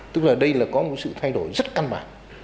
tức là đây là có một sự thay đổi rất căn bản